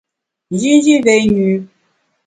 Njinji mvé nyü.